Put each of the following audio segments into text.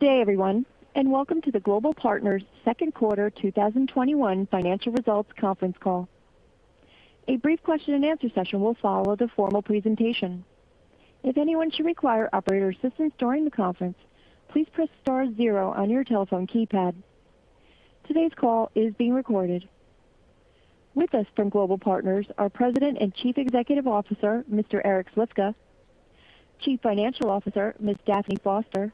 Good day everyone, and Welcome to the Global Partners Second Quarter 2021 Financial Results Conference Call. A brief question and answer session will follow the formal presentation. If anyone should require operator assistance during the conference, please press star 0 on your telephone keypad. Today's call is being recorded. With us from Global Partners are President and Chief Executive Officer, Mr. Eric Slifka, Chief Financial Officer, Ms. Daphne Foster,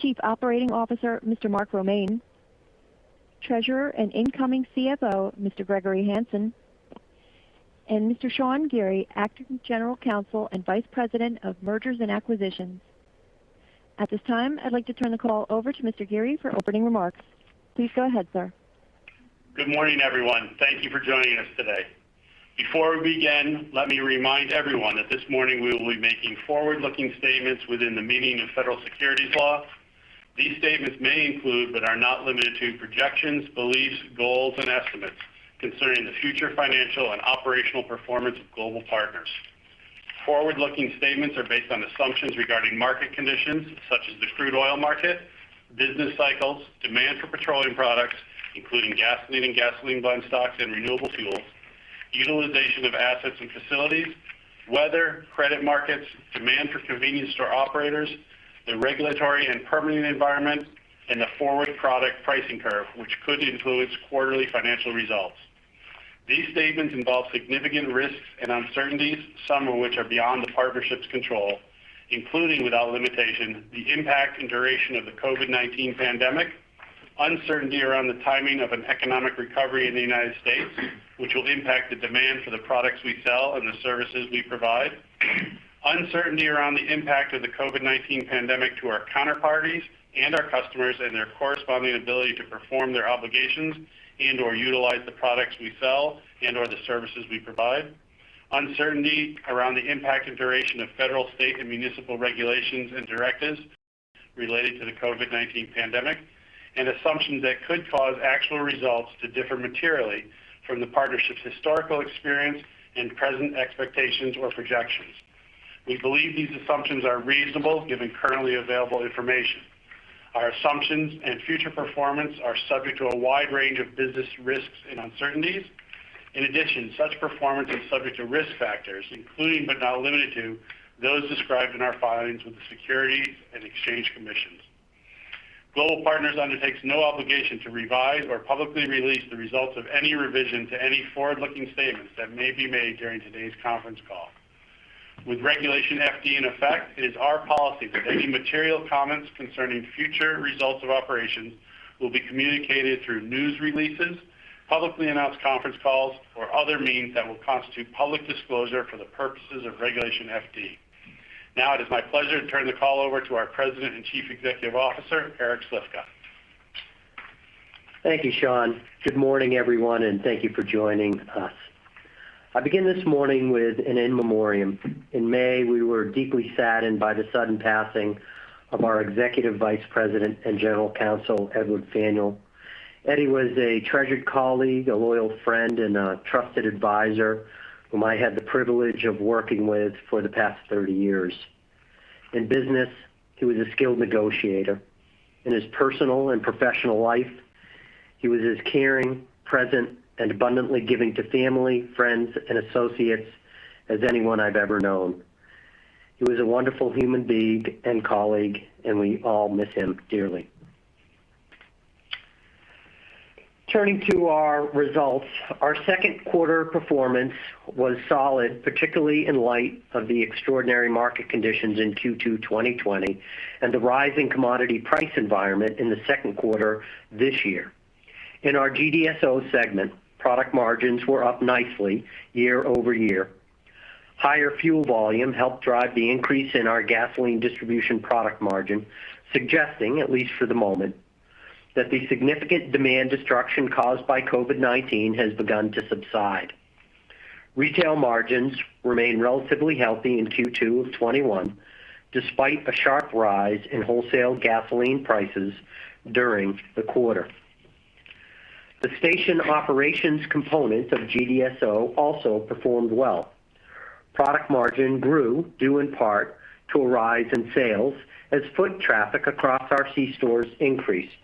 Chief Operating Officer, Mr. Mark Romaine, Treasurer and incoming CFO, Mr. Gregory B. Hanson, and Mr. Sean Geary, Acting General Counsel and Vice President of Mergers and Acquisitions. At this time, I'd like to turn the call over to Mr. Geary for opening remarks. Please go ahead, sir. Good morning, everyone. Thank you for joining us today. Before we begin, let me remind everyone that this morning we will be making forward-looking statements within the meaning of federal securities laws. These statements may include, but are not limited to, projections, beliefs, goals, and estimates concerning the future financial and operational performance of Global Partners. Forward-looking statements are based on assumptions regarding market conditions such as the crude oil market, business cycles, demand for petroleum products, including gasoline and gasoline blend stocks and renewable fuels, utilization of assets and facilities, weather, credit markets, demand for convenience store operators, the regulatory and permitting environment, and the forward product pricing curve, which could influence quarterly financial results. These statements involve significant risks and uncertainties, some of which are beyond the partnership's control, including, without limitation, the impact and duration of the COVID-19 pandemic, uncertainty around the timing of an economic recovery in the United States, which will impact the demand for the products we sell and the services we provide, uncertainty around the impact of the COVID-19 pandemic to our counterparties and our customers and their corresponding ability to perform their obligations and/or utilize the products we sell and/or the services we provide, uncertainty around the impact and duration of federal, state, and municipal regulations and directives related to the COVID-19 pandemic, and assumptions that could cause actual results to differ materially from the partnership's historical experience and present expectations or projections. We believe these assumptions are reasonable given currently available information. Our assumptions and future performance are subject to a wide range of business risks and uncertainties. In addition, such performance is subject to risk factors, including but not limited to those described in our filings with the Securities and Exchange Commission. Global Partners undertakes no obligation to revise or publicly release the results of any revision to any forward-looking statements that may be made during today's conference call. With Regulation FD in effect, it is our policy that any material comments concerning future results of operations will be communicated through news releases, publicly announced conference calls, or other means that will constitute public disclosure for the purposes of Regulation FD. Now it is my pleasure to turn the call over to our President and Chief Executive Officer, Eric Slifka. Thank you, Sean. Good morning, everyone, and thank you for joining us. I begin this morning with an in memoriam. In May, we were deeply saddened by the sudden passing of our Executive Vice President and General Counsel, Edward J. Faneuil. Eddie was a treasured colleague, a loyal friend, and a trusted advisor whom I had the privilege of working with for the past 30 years. In business, he was a skilled negotiator. In his personal and professional life, he was as caring, present, and abundantly giving to family, friends, and associates as anyone I've ever known. He was a wonderful human being and colleague, and we all miss him dearly. Turning to our results, our second quarter performance was solid, particularly in light of the extraordinary market conditions in Q2 2020 and the rising commodity price environment in the second quarter this year. In our GDSO segment, product margins were up nicely year-over-year. Higher fuel volume helped drive the increase in our gasoline distribution product margin, suggesting, at least for the moment, that the significant demand destruction caused by COVID-19 has begun to subside. Retail margins remained relatively healthy in Q2 of 2021, despite a sharp rise in wholesale gasoline prices during the quarter. The station operations component of GDSO also performed well. Product margin grew, due in part to a rise in sales as foot traffic across our C stores increased.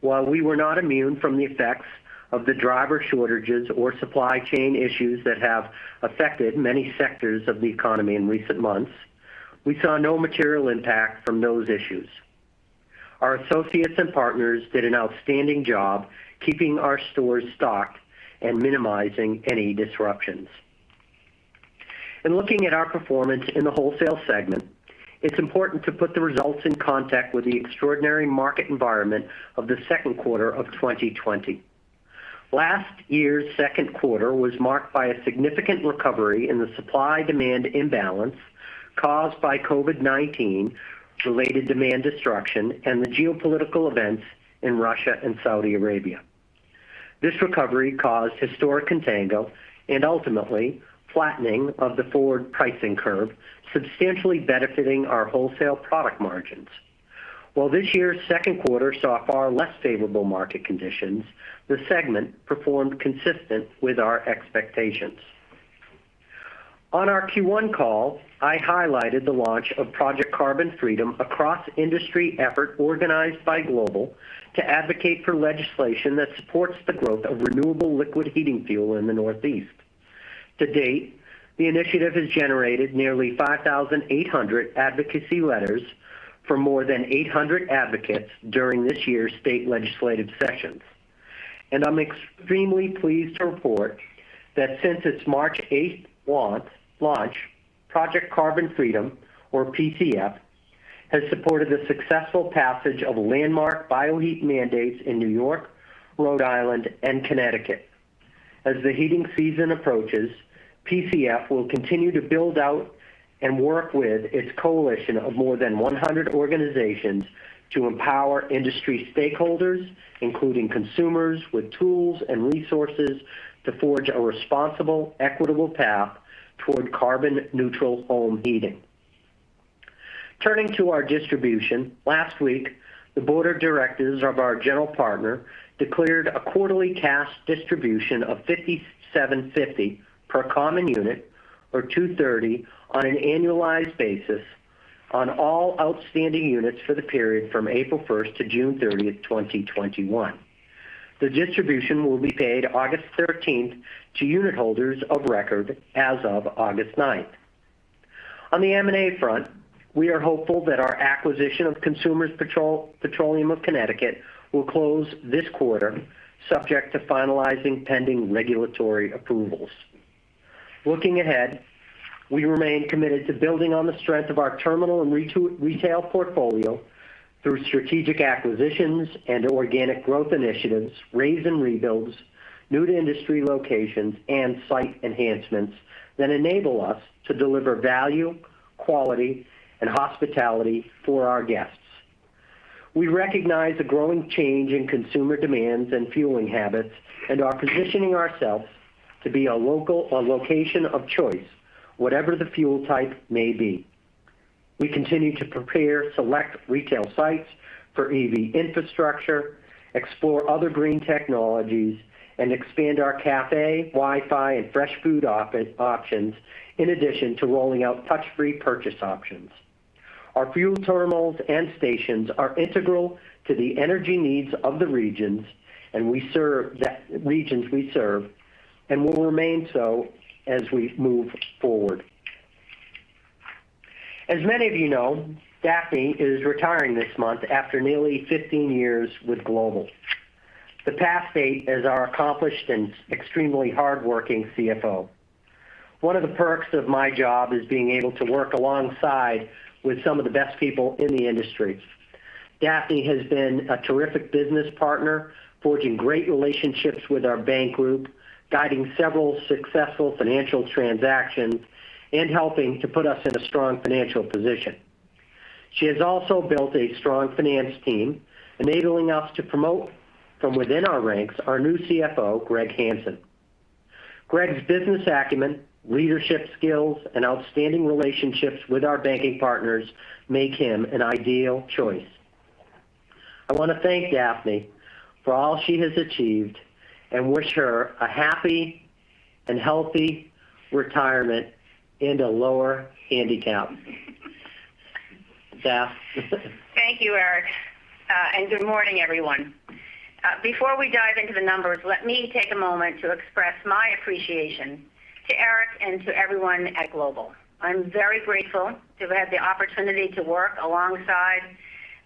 While we were not immune from the effects of the driver shortages or supply chain issues that have affected many sectors of the economy in recent months, we saw no material impact from those issues. Our associates and partners did an outstanding job keeping our stores stocked and minimizing any disruptions. In looking at our performance in the wholesale segment, it's important to put the results in context with the extraordinary market environment of the second quarter of 2020. Last year's second quarter was marked by a significant recovery in the supply-demand imbalance caused by COVID-19-related demand destruction and the geopolitical events in Russia and Saudi Arabia. This recovery caused historic contango and ultimately flattening of the forward pricing curve, substantially benefiting our wholesale product margins. While this year's second quarter saw far less favorable market conditions, the segment performed consistent with our expectations. On our Q1 call, I highlighted the launch of Project Carbon Freedom, a cross-industry effort organized by Global to advocate for legislation that supports the growth of renewable liquid heating fuel in the Northeast. To date, the initiative has generated nearly 5,800 advocacy letters from more than 800 advocates during this year's state legislative sessions. I'm extremely pleased to report that since its March 8th launch, Project Carbon Freedom, or PCF, has supported the successful passage of landmark Bioheat mandates in New York, Rhode Island, and Connecticut. As the heating season approaches, PCF will continue to build out and work with its coalition of more than 100 organizations to empower industry stakeholders, including consumers, with tools and resources to forge a responsible, equitable path toward carbon-neutral home heating. Turning to our distribution, last week, the board of directors of our general partner declared a quarterly cash distribution of $57.50 per common unit, or $2.30 on an annualized basis on all outstanding units for the period from April 1st to June 30th, 2021. The distribution will be paid August 13th to unitholders of record as of August 9th. On the M&A front, we are hopeful that our acquisition of Consumers Petroleum of Connecticut will close this quarter, subject to finalizing pending regulatory approvals. Looking ahead, we remain committed to building on the strength of our terminal and retail portfolio through strategic acquisitions and organic growth initiatives, raze & rebuilds, new to industry locations, and site enhancements that enable us to deliver value, quality, and hospitality for our guests. We recognize the growing change in consumer demands and fueling habits, and are positioning ourselves to be a location of choice, whatever the fuel type may be. We continue to prepare select retail sites for EV infrastructure, explore other green technologies, and expand our cafe, Wi-Fi, and fresh food options, in addition to rolling out touch-free purchase options. Our fuel terminals and stations are integral to the energy needs of the regions we serve, and will remain so as we move forward. As many of you know, Daphne is retiring this month after nearly 15 years with Global, the past 8 as our accomplished and extremely hardworking CFO. One of the perks of my job is being able to work alongside with some of the best people in the industry. Daphne has been a terrific business partner, forging great relationships with our bank group, guiding several successful financial transactions, and helping to put us in a strong financial position. She has also built a strong finance team, enabling us to promote from within our ranks our new CFO, Greg Hanson. Greg's business acumen, leadership skills, and outstanding relationships with our banking partners make him an ideal choice. I want to thank Daphne for all she has achieved and wish her a happy and healthy retirement and a lower handicap. Daphne? Thank you, Eric. Good morning, everyone. Before we dive into the numbers, let me take a moment to express my appreciation to Eric and to everyone at Global Partners. I'm very grateful to have had the opportunity to work alongside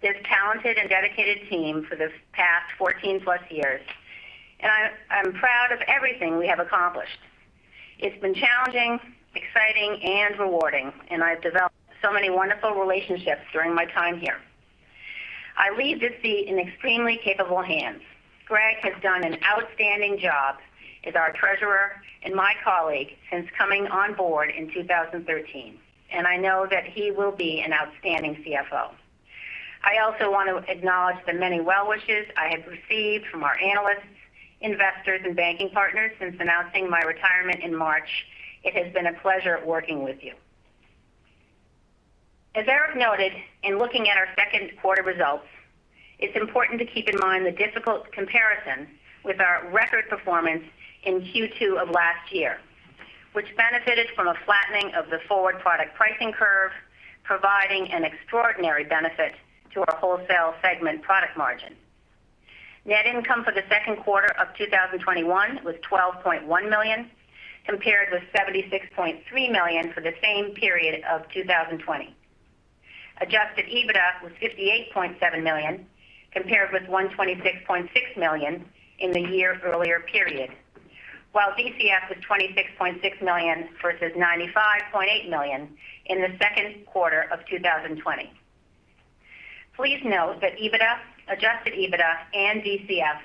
this talented and dedicated team for the past 14+ years, and I'm proud of everything we have accomplished. It's been challenging, exciting, and rewarding, and I've developed so many wonderful relationships during my time here. I leave this seat in extremely capable hands. Greg Hanson has done an outstanding job as our Treasurer and my colleague since coming on board in 2013, and I know that he will be an outstanding CFO. I also want to acknowledge the many well wishes I have received from our analysts, investors, and banking partners since announcing my retirement in March. It has been a pleasure working with you. As Eric noted, in looking at our second quarter results, it's important to keep in mind the difficult comparison with our record performance in Q2 of last year, which benefited from a flattening of the forward product pricing curve, providing an extraordinary benefit to our wholesale segment product margin. Net income for the second quarter of 2021 was $12.1 million, compared with $76.3 million for the same period of 2020. Adjusted EBITDA was $58.7 million, compared with $126.6 million in the year-earlier period. DCF was $26.6 million versus $95.8 million in the second quarter of 2020. Please note that EBITDA, adjusted EBITDA, and DCF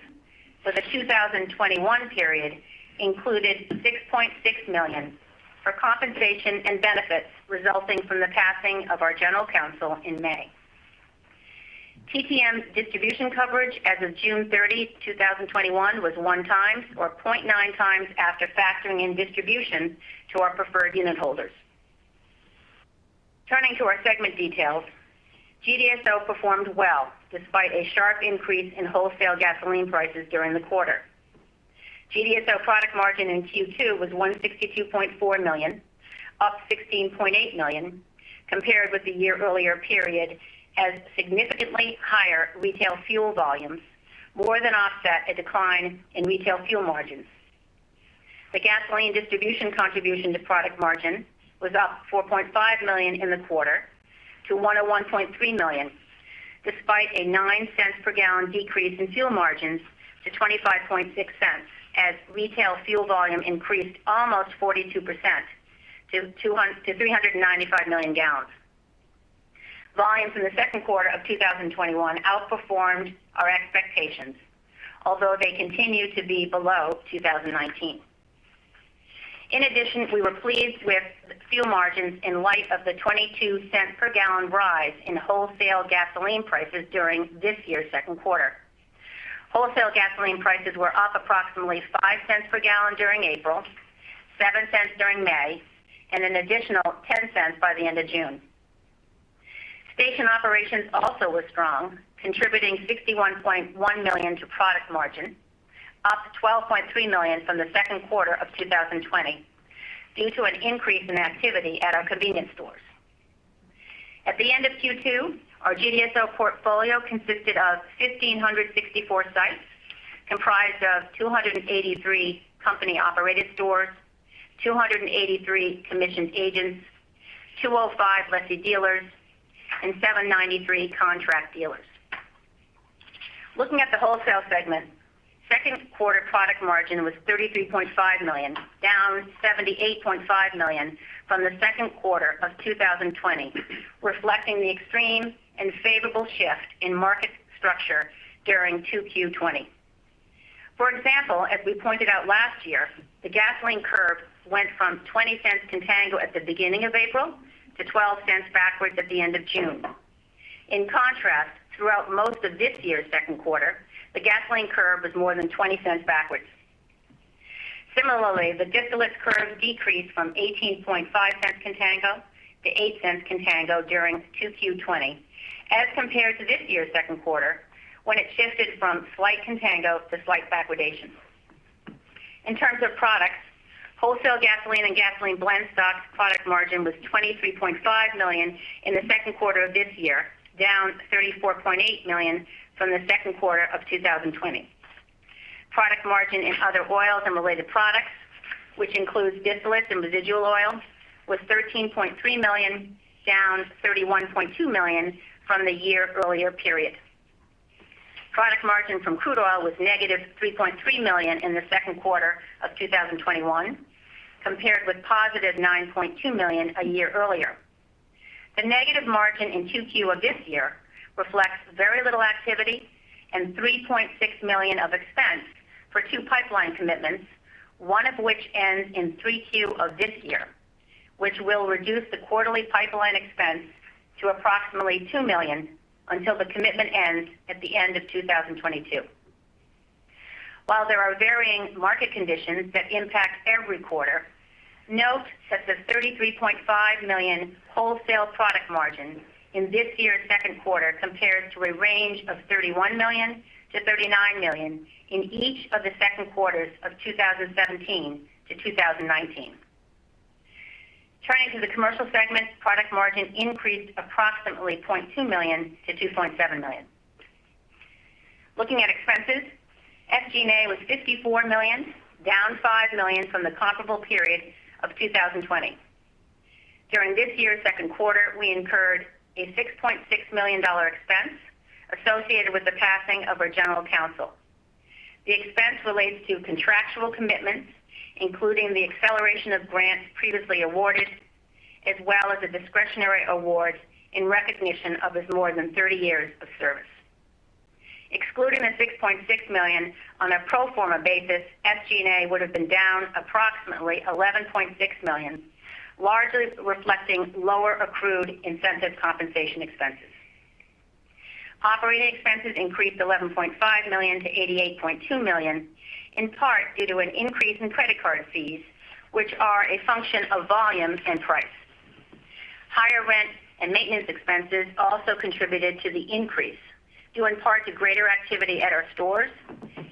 for the 2021 period included $6.6 million for compensation and benefits resulting from the passing of our General Counsel in May. TTM's distribution coverage as of June 30, 2021, was one times, or 0.9 times after factoring in distribution to our preferred unitholders. Turning to our segment details. GDSO performed well despite a sharp increase in wholesale gasoline prices during the quarter. GDSO product margin in Q2 was $162.4 million, up $16.8 million compared with the year-earlier period, as significantly higher retail fuel volumes more than offset a decline in retail fuel margins. The Gasoline Distribution contribution to product margin was up $4.5 million in the quarter to $101.3 million, despite a $0.09 per gallon decrease in fuel margins to $0.256, as retail fuel volume increased almost 42% to 395 million gallons. Volumes in the second quarter of 2021 outperformed our expectations, although they continue to be below 2019. In addition, we were pleased with fuel margins in light of the $0.22 per gallon rise in wholesale gasoline prices during this year's second quarter. Wholesale gasoline prices were up approximately $0.05 per gallon during April, $0.07 during May, and an additional $0.10 by the end of June. Station operations also were strong, contributing $61.1 million to product margin, up to $12.3 million from the second quarter of 2020, due to an increase in activity at our convenience stores. At the end of Q2, our GDSO portfolio consisted of 1,564 sites, comprised of 283 company-operated stores, 283 commission agents, 205 lessee dealers, and 793 contract dealers. Looking at the wholesale segment, second quarter product margin was $33.5 million, down $78.5 million from the second quarter of 2020, reflecting the extreme and favorable shift in market structure during 2Q20. For example, as we pointed out last year, the gasoline curve went from $0.20 contango at the beginning of April to $0.12 backwards at the end of June. In contrast, throughout most of this year's second quarter, the gasoline curve was more than $0.20 backwards. Similarly, the distillate curve decreased from $0.185 contango to $0.08 contango during 2Q20, as compared to this year's second quarter, when it shifted from slight contango to slight backwardation. In terms of products, wholesale gasoline and gasoline blend stocks product margin was $23.5 million in the second quarter of this year, down $34.8 million from the second quarter of 2020. Product margin in other oils and related products, which includes distillates and residual oil, was $13.3 million, down $31.2 million from the year-earlier period. Product margin from crude oil was negative $3.3 million in the second quarter of 2021, compared with positive $9.2 million a year earlier. The negative margin in 2Q of this year reflects very little activity and $3.6 million of expense for two pipeline commitments, one of which ends in 3Q of this year, which will reduce the quarterly pipeline expense to approximately $2 million until the commitment ends at the end of 2022. While there are varying market conditions that impact every quarter, note that the $33.5 million wholesale product margin in this year's second quarter compares to a range of $31 million-$39 million in each of the second quarters of 2017-2019. Turning to the commercial segment, product margin increased approximately $0.2 million-$2.7 million. Looking at expenses, SG&A was $54 million, down $5 million from the comparable period of 2020. During this year's second quarter, we incurred a $6.6 million expense associated with the passing of our general counsel. The expense relates to contractual commitments, including the acceleration of grants previously awarded, as well as a discretionary award in recognition of his more than 30 years of service. Excluding the $6.6 million on a pro forma basis, SG&A would have been down approximately $11.6 million, largely reflecting lower accrued incentive compensation expenses. Operating expenses increased $11.5 million-$88.2 million, in part due to an increase in credit card fees, which are a function of volume and price. Higher rent and maintenance expenses also contributed to the increase, due in part to greater activity at our stores,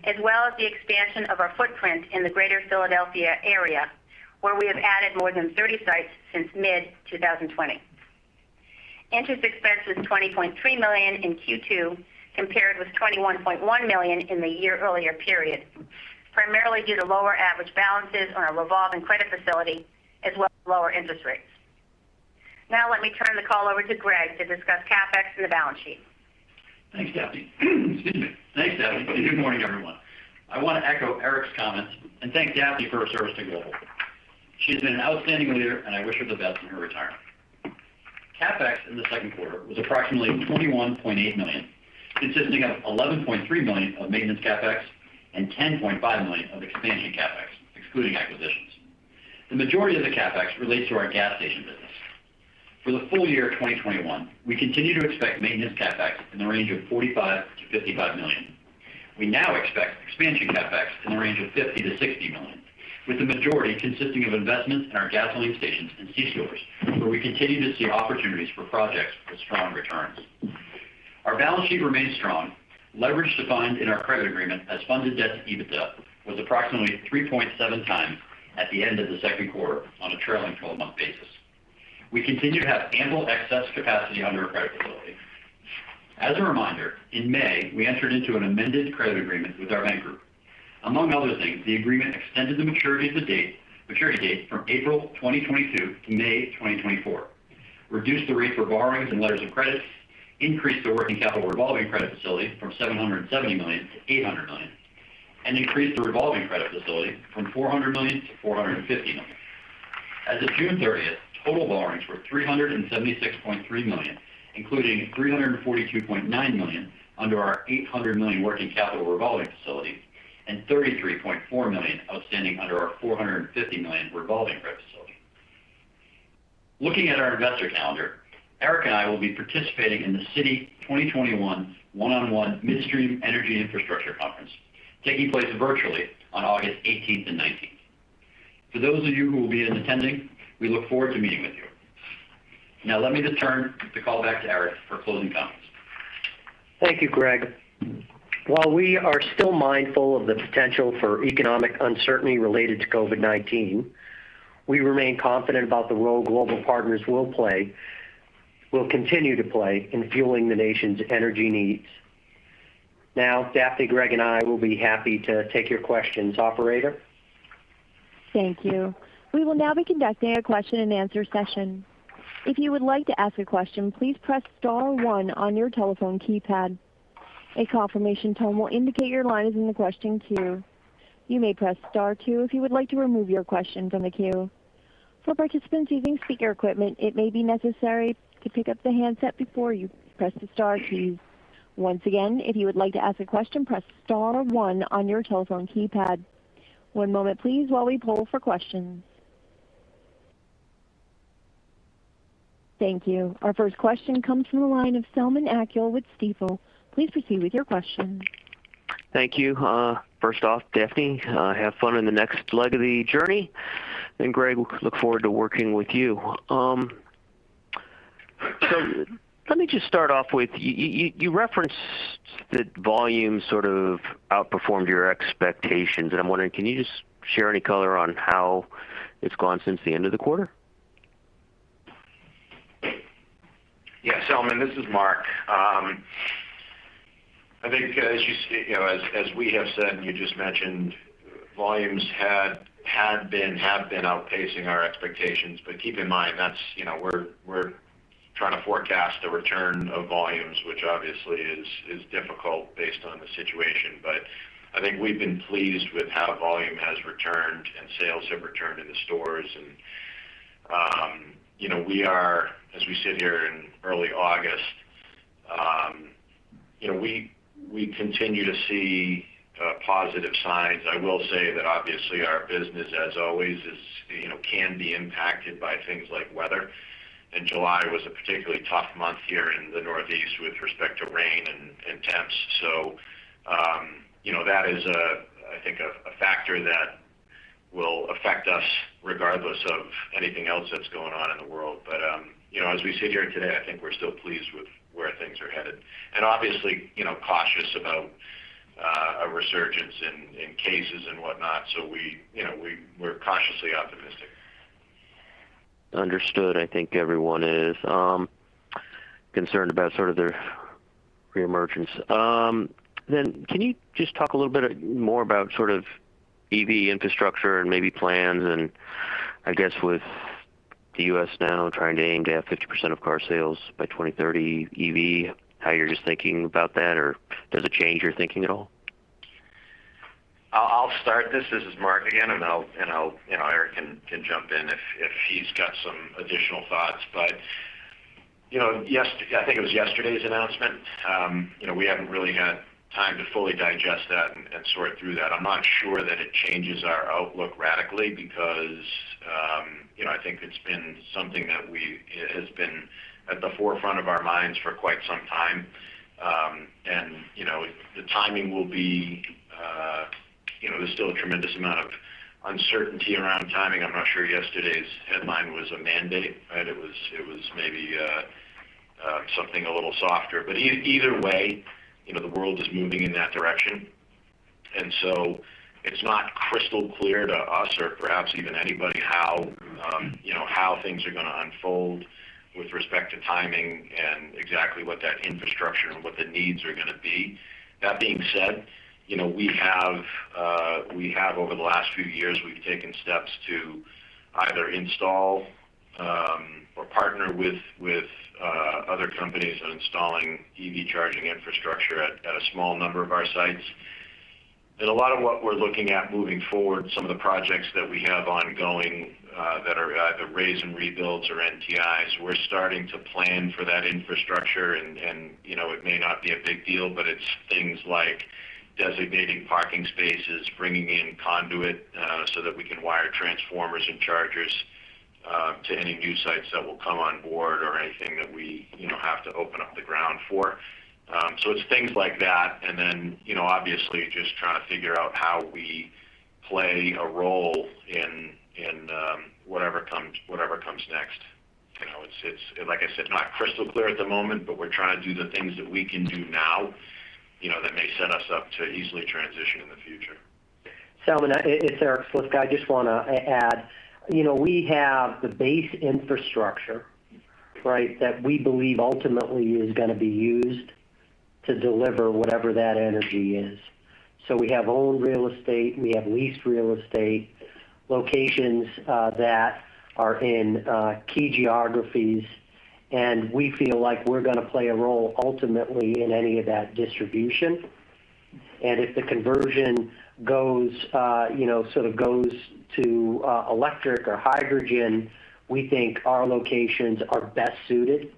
as well as the expansion of our footprint in the greater Philadelphia area, where we have added more than 30 sites since mid-2020. Interest expense was $20.3 million in Q2, compared with $21.1 million in the year-earlier period, primarily due to lower average balances on our revolving credit facility, as well as lower interest rates. Now let me turn the call over to Greg to discuss CapEx and the balance sheet. Thanks, Daphne. Excuse me. Thanks, Daphne, and good morning, everyone. I want to echo Eric's comments and thank Daphne for her service to Global. She has been an outstanding leader, and I wish her the best in her retirement. CapEx in the second quarter was approximately $21.8 million, consisting of $11.3 million of maintenance CapEx and $10.5 million of expansion CapEx, excluding acquisitions. The majority of the CapEx relates to our gas station business. For the full year of 2021, we continue to expect maintenance CapEx in the range of $45 million-$55 million. We now expect expansion CapEx in the range of $50 million-$60 million, with the majority consisting of investments in our gasoline stations and c-stores, where we continue to see opportunities for projects with strong returns. Our balance sheet remains strong. Leverage defined in our credit agreement as funded debt to EBITDA was approximately 3.7 times at the end of the second quarter on a trailing 12-month basis. We continue to have ample excess capacity under our credit facility. As a reminder, in May, we entered into an amended credit agreement with our bank group. Among other things, the agreement extended the maturity date from April 2022 to May 2024, reduced the rate for borrowings and letters of credits, increased the working capital revolving credit facility from $770 million-$800 million, and increased the revolving credit facility from $400 million-$450 million. As of June 30th, total borrowings were $376.3 million, including $342.9 million under our $800 million working capital revolving facility and $33.4 million outstanding under our $450 million revolving credit facility. Looking at our investor calendar, Eric and I will be participating in the Citi 2021 One-on-One Midstream Energy Infrastructure Conference, taking place virtually on August 18th and 19th. For those of you who will be attending, we look forward to meeting with you. Let me just turn the call back to Eric for closing comments. Thank you, Greg. While we are still mindful of the potential for economic uncertainty related to COVID-19, we remain confident about the role Global Partners will continue to play in fueling the nation's energy needs. Now, Daphne, Greg, and I will be happy to take your questions. Operator? Thank you. We will now be conducting a question and answer session. If you would like to ask a question, please press star one on your telephone keypad. A confirmation tone will indicate your line is in the question queue. You may press star two if you would like to remove your question from the queue. For participants using speaker equipment, it may be necessary to pick up the handset before you press the star two. Once again, if you would like to ask a question, press star 1 on your telephone keypad. One moment please, while we poll for questions. Thank you. Our first question comes from the line of Selman Akyol with Stifel. Please proceed with your question. Thank you. First off, Daphne, have fun in the next leg of the journey, and Greg, look forward to working with you. Let me just start off with, you referenced that volume sort of outperformed your expectations, and I'm wondering, can you just share any color on how it's gone since the end of the quarter? Selman, this is Mark. I think as we have said, and you just mentioned, volumes have been outpacing our expectations. Keep in mind, we're trying to forecast the return of volumes, which obviously is difficult based on the situation. I think we've been pleased with how volume has returned and sales have returned in the stores. As we sit here in early August, we continue to see positive signs. I will say that obviously our business, as always, can be impacted by things like weather. July was a particularly tough month here in the Northeast with respect to rain and temps. That is, I think, a factor that will affect us regardless of anything else that's going on in the world. As we sit here today, I think we're still pleased with where things are headed and obviously cautious about a resurgence in cases and whatnot. We're cautiously optimistic. Understood. I think everyone is concerned about their reemergence. Can you just talk a little bit more about EV infrastructure and maybe plans and I guess with the U.S. now trying to aim to have 50% of car sales by 2030 EV, how you're just thinking about that or does it change your thinking at all? I'll start this. This is Mark Romaine again, and Eric Slifka can jump in if he's got some additional thoughts. I think it was yesterday's announcement. We haven't really had time to fully digest that and sort through that. I'm not sure that it changes our outlook radically because I think it's been something that has been at the forefront of our minds for quite some time. There's still a tremendous amount of uncertainty around timing. I'm not sure yesterday's headline was a mandate, right? It was maybe something a little softer. Either way, the world is moving in that direction. It's not crystal clear to us or perhaps even anybody how things are going to unfold with respect to timing and exactly what that infrastructure and what the needs are going to be. That being said, over the last few years, we've taken steps to either install or partner with other companies on installing EV charging infrastructure at a small number of our sites. A lot of what we're looking at moving forward, some of the projects that we have ongoing that are either raze and rebuilds or NTIs, we're starting to plan for that infrastructure. It may not be a big deal, but it's things like designating parking spaces, bringing in conduit so that we can wire transformers and chargers to any new sites that will come on board or anything that we have to open up the ground for. It's things like that, and then obviously just trying to figure out how we play a role in whatever comes next. It's, like I said, not crystal clear at the moment, but we're trying to do the things that we can do now that may set us up to easily transition in the future. Selman, it's Eric Slifka. I just want to add, we have the base infrastructure that we believe ultimately is going to be used to deliver whatever that energy is. We have owned real estate, we have leased real estate, locations that are in key geographies, and we feel like we're going to play a role ultimately in any of that distribution. If the conversion sort of goes to electric or hydrogen, we think our locations are best suited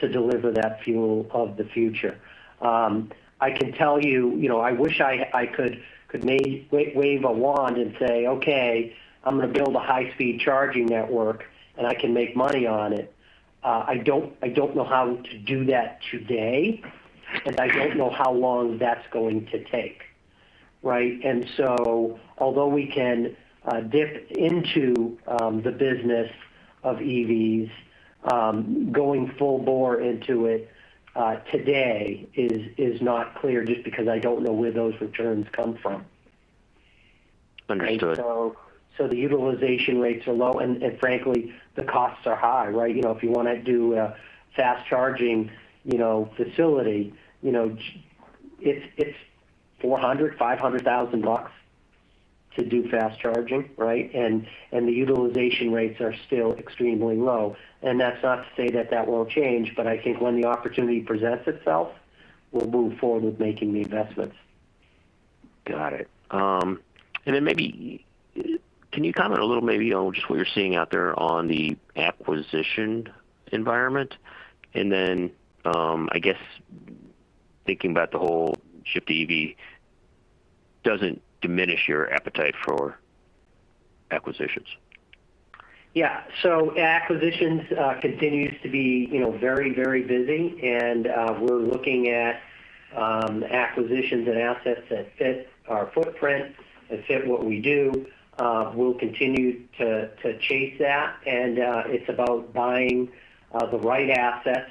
to deliver that fuel of the future. I can tell you, I wish I could wave a wand and say, "Okay, I'm going to build a high-speed charging network, and I can make money on it." I don't know how to do that today, and I don't know how long that's going to take. Right? Although we can dip into the business of EVs, going full bore into it today is not clear just because I don't know where those returns come from. Understood. The utilization rates are low, and frankly, the costs are high, right? If you want to do a fast-charging facility, it's $400,000, $500,000 bucks to do fast charging, right? The utilization rates are still extremely low. That's not to say that that won't change, but I think when the opportunity presents itself, we'll move forward with making the investments. Got it. Maybe, can you comment a little maybe on just what you're seeing out there on the acquisition environment? I guess thinking about the whole shift to EV doesn't diminish your appetite for acquisitions. Yeah. Acquisitions continues to be very busy, and we're looking at acquisitions and assets that fit our footprint, that fit what we do. We'll continue to chase that, and it's about buying the right assets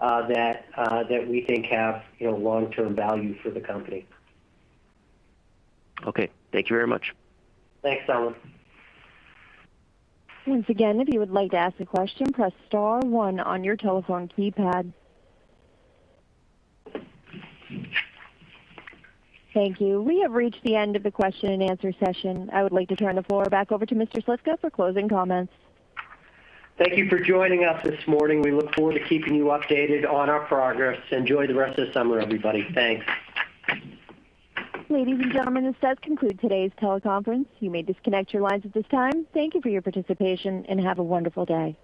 that we think have long-term value for the company. Okay. Thank you very much. Thanks, Selman. Once again, if you would like to ask a question, press star one on your telephone keypad. Thank you. We have reached the end of the question and answer session. I would like to turn the floor back over to Mr. Slifka for closing comments. Thank you for joining us this morning. We look forward to keeping you updated on our progress. Enjoy the rest of the summer, everybody. Thanks. Ladies and gentlemen, this does conclude today's teleconference. You may disconnect your lines at this time. Thank you for your participation, and have a wonderful day.